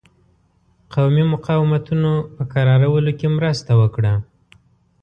قومي مقاومتونو په کرارولو کې مرسته وکړه.